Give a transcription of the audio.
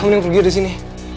mending pergi dari sini